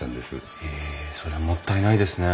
へえそれはもったいないですね。